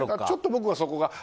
ちょっと僕は。